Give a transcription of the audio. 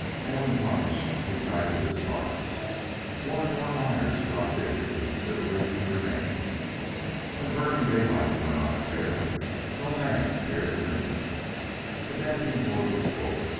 Elam Harnish had ignited the spark. More and more miners dropped in to the Tivoli and remained. When Burning Daylight went on the tear, no man cared to miss it. The dancing floor was full.